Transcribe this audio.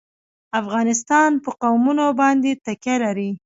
افغانستان په قومونه باندې تکیه لري.